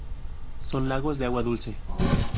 Son lagos de agua dulce.